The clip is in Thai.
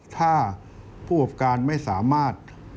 ถ้าผู้ประกอบการไม่สามารถ